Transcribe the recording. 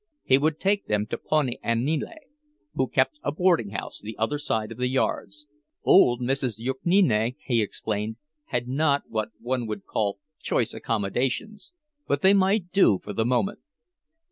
He would take them to poni Aniele, who kept a boardinghouse the other side of the yards; old Mrs. Jukniene, he explained, had not what one would call choice accommodations, but they might do for the moment.